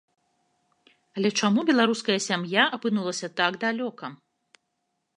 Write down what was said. Але чаму беларуская сям'я апынулася так далёка?